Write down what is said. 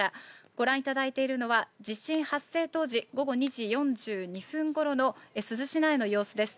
ご覧いただいているのは、地震発生当時、午後２時４２分ごろの珠洲市内の様子です。